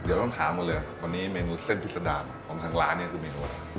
เดี๋ยวต้องถามกว่าเลยแล้ววันนี้เมนูเส้นพิษดาผมทางร้านนี้คือมีอะไร